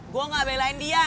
gue nggak belain dia